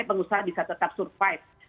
pengusaha bisa tetap survive